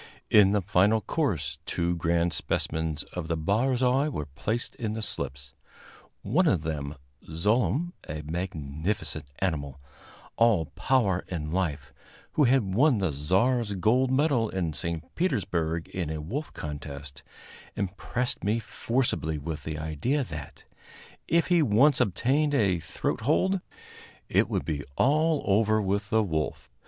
In the final course two grand specimens of the barzoi were placed in the slips; one of them, Zlooem, a magnificent animal, all power and life, who had won the Czar's gold medal in St. Petersburg in a wolf contest, impressed me forcibly with the idea that, if he once obtained a throat hold, it would be all over with the wolf.